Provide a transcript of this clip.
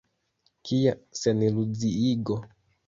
Kia seniluziigo.